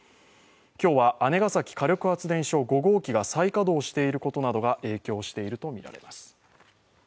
今日は姉崎火力発電所５号機が再稼働していることなどが影響しているとみられます。